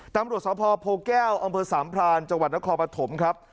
ตำรวจสาวพโพแก้วอสามพรานจคปฐมครับ